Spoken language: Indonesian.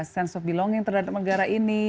sense of belonging terhadap negara ini